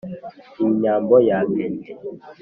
iyi nyambo yangennye